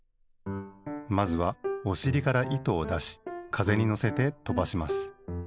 まずはおしりから糸をだしかぜにのせてとばします。